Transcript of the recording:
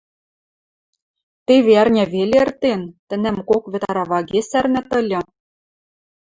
Теве ӓрня веле эртен: тӹнӓм кок вӹд араваге сӓрнӓт ыльы;